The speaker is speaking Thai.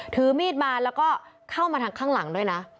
ถือมีดมาแล้วก็เข้ามาทางข้างหลังด้วยนะ